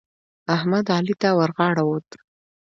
احمد؛ علي ته ورغاړه وت.